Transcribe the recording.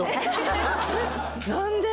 何で？